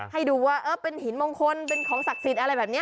ให้ดูว่าเป็นหินมงคลเป็นของศักดิ์สิทธิ์อะไรแบบนี้